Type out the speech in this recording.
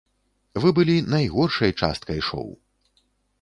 Вы былі найгоршай часткай шоу.